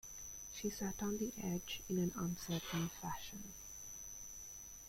She sat on the edge in an uncertain fashion.